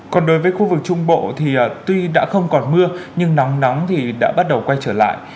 còn đối với khu vực trung bộ thì tuy đã không còn mưa nhưng nắng nóng thì đã bắt đầu quay trở lại